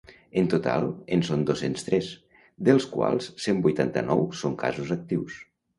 En total, en són dos-cents tres, dels quals cent vuitanta-nou són casos actius.